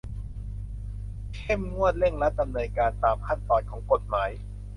เข้มงวดเร่งรัดดำเนินการตามขั้นตอนของกฎหมาย